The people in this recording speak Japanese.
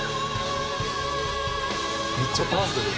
「めっちゃパワフル」